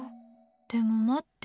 でも、待って。